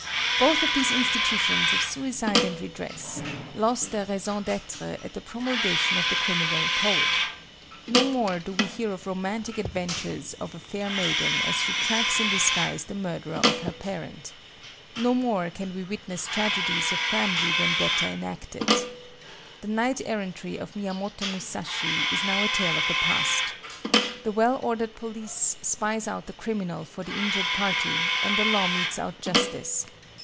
Both of these institutions of suicide and redress lost their raison d'être at the promulgation of the criminal code. No more do we hear of romantic adventures of a fair maiden as she tracks in disguise the murderer of her parent. No more can we witness tragedies of family vendetta enacted. The knight errantry of Miyamoto Musashi is now a tale of the past. The well ordered police spies out the criminal for the injured party and the law metes out justice.